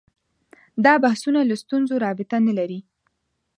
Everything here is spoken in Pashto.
دا بحثونه له ستونزو رابطه نه لري